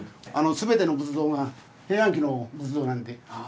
全ての仏像が平安期の仏像なんで。